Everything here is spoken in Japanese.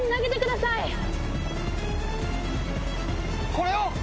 これを？